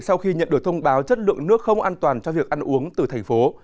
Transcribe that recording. sau khi nhận được thông báo chất lượng nước không an toàn cho việc ăn uống từ thành phố